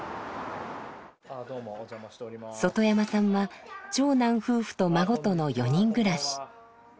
外山さんは長男夫婦と孫との４人暮らし。